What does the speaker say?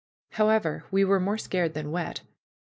However, we were more scared than wet.